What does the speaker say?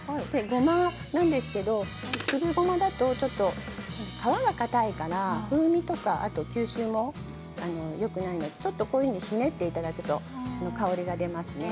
ごまなんですけれど粒ごまだとちょっと皮がかたいので風味とか吸収もよくないのでこのようにひねってていただくと香りが出ます。